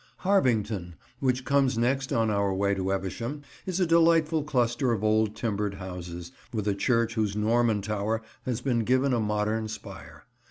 Harvington, which comes next on our way to Evesham, is a delightful cluster of old timbered houses, with a church whose Norman tower has been given a modern spire.